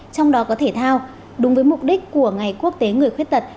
trong đó có thể thao đúng với mục đích của ngày quốc tế người khuyết tật